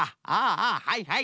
ああはいはい。